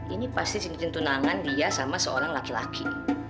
ini pasti bikin tunangan dia sama seorang laki laki